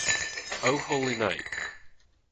O holy night.